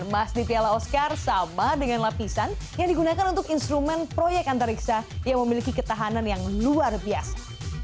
emas di piala oscar sama dengan lapisan yang digunakan untuk instrumen proyek antariksa yang memiliki ketahanan yang luar biasa